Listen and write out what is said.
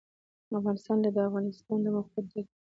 افغانستان له د افغانستان د موقعیت ډک دی.